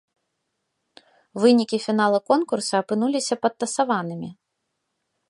Вынікі фінала конкурса апынуліся падтасаванымі.